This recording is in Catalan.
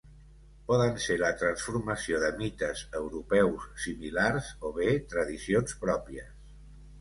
Poden ser la transformació de mites europeus similars o bé tradicions pròpies.